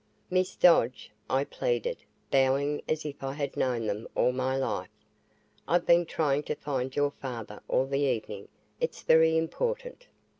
"Miss Dodge," I pleaded, bowing as if I had known them all my life, "I've been trying to find your father all the evening. It's very important."